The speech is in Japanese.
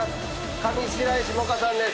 上白石萌歌さんです。